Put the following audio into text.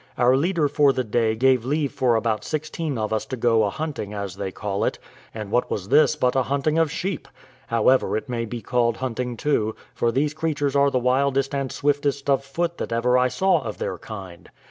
Our leader for the day gave leave for about sixteen of us to go a hunting as they call it; and what was this but a hunting of sheep! however, it may be called hunting too, for these creatures are the wildest and swiftest of foot that ever I saw of their kind!